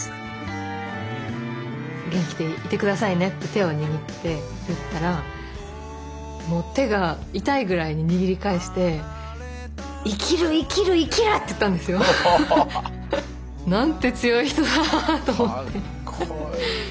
「元気でいて下さいね」って手を握って言ったらもう手が痛いぐらいに握り返して「生きる生きる生きる！」って言ったんですよ。なんて強い人だなぁと思って。